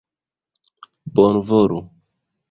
bonvolu